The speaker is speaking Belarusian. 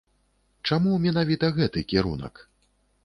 Чаму менавіта гэты кірунак?